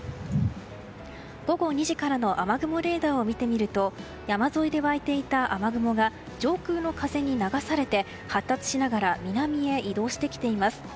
午後２時からの雨雲レーダーを見てみると山沿いで湧いていた雨雲が上空の風に流されて発達しながら南へ移動してきています。